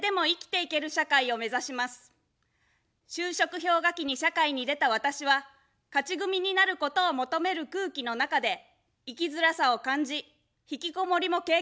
就職氷河期に社会に出た私は、勝ち組になることを求める空気の中で生きづらさを感じ、引きこもりも経験しました。